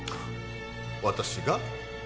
私が？